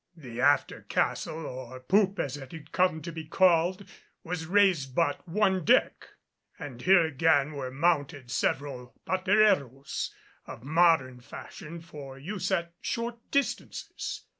The after castle, or poop as it had come to be called, was raised but one deck, and here again were mounted several patereros of modern fashion for use at short distances.